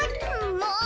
もう！